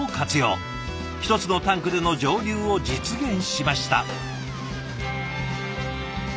一つのタンクでの蒸留を実現しました。